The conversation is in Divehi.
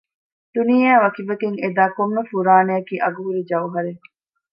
ދުނިޔެއާ ވަކިވެގެން އެ ދާ ކޮންމެ ފުރާނައަކީ އަގު ހުރި ޖައުހަރެއް